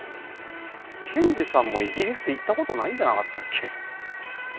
賢治さんもイギリス行ったことないんじゃなかったっけ？